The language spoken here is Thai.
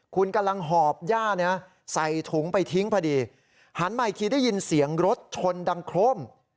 คุณกำลังหอบย่าเนี่ยใส่ถุงไปทิ้งพอดีหันมาอีกทีได้ยินเสียงรถชนดังโคร่ม